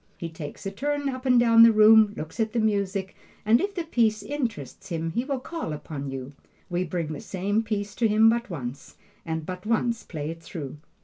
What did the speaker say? He takes a turn up and down the room, looks at the music, and if the piece interests him he will call upon you. We bring the same piece to him but once, and but once play it through.